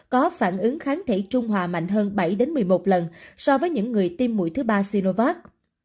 có phản ứng kháng thể trung hòa mạnh hơn bảy một mươi một lần so với những người tiêm mũi thứ ba siriovat